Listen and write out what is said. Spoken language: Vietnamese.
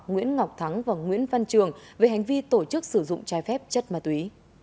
nguyễn ngọc thắng và nguyễn văn trường về hành vi tổ chức sử dụng trái phép chất ma túy